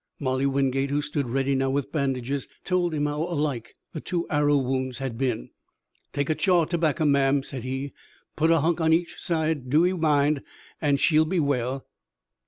Molly Wingate, who stood ready now with bandages, told him how alike the two arrow wounds had been. "Take an' chaw tobacker, ma'am," said he. "Put a hunk on each side, do ee mind, an' she'll be well."